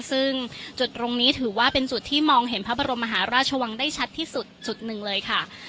ซึ่งจุดตรงนี้ถือว่าเป็นจุดที่มองเห็นพระบรมมหาราชวังได้ชัดที่สุดจุดหนึ่งเลยค่ะ